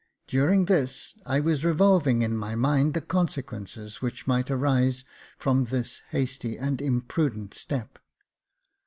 During this, I was revolving in my mind the consequences which might arise from this hasty and imprudent step.